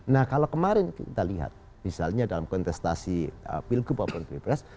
nah kalau kemarin kita lihat misalnya dalam kontestasi pilgub maupun pilpres